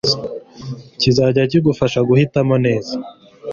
kizajya kigufasha guhitamo neza